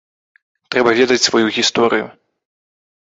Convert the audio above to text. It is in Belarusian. Трэба ведаць сваю гісторыю.